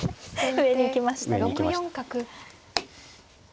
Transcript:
上に行きました。